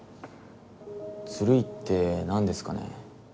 ずるいって何ですかね。